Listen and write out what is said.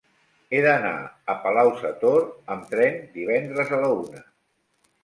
He d'anar a Palau-sator amb tren divendres a la una.